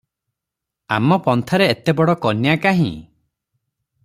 ଆମ ପନ୍ଥାରେ ଏଡେ ବଡ଼ କନ୍ୟା କାହିଁ?